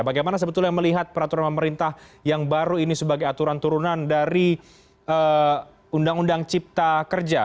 bagaimana sebetulnya melihat peraturan pemerintah yang baru ini sebagai aturan turunan dari undang undang cipta kerja